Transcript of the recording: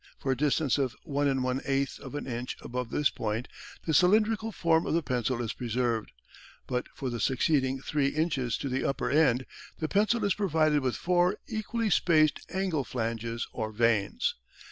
For a distance of 1 1/8th of an inch above this point the cylindrical form of the pencil is preserved, but for the succeeding three inches to the upper end, the pencil is provided with four equally spaced angle flanges or vanes.